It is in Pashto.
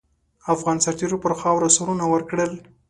افغان سرتېرو پر خاوره سرونه ورکړل.